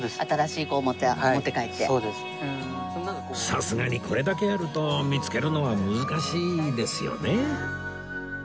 さすがにこれだけあると見つけるのは難しいですよね